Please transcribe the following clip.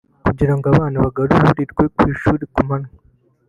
kugira ngo abana bagaburirirwe ku ishuri ku manywa